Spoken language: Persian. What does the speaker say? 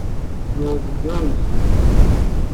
نروژ